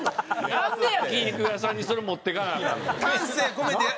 なんで焼き肉屋さんにそれ持ってかなアカンの？